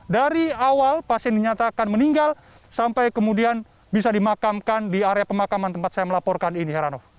dari awal pasien dinyatakan meninggal sampai kemudian bisa dimakamkan di area pemakaman tempat saya melaporkan ini heranov